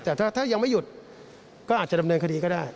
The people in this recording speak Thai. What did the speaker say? แต่ถ้ายังไม่หยุดก็อาจจะดำเนินคดีก็ได้